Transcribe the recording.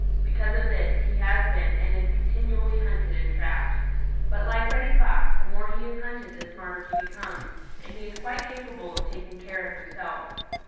Because of this, he has been and is continually hunted and trapped. But like Reddy Fox the more he is hunted the smarter he becomes, and he is quite capable of taking care of himself.